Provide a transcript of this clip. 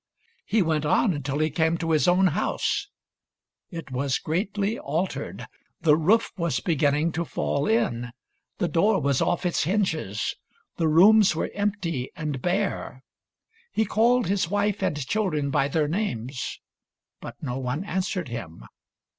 He went on until he came to his own house. It was greatly altered. The roof was beginning to fall in ; the door was off its hinges ; the rooms were empty and bare. He called his wife and children by their names; but no one answered him.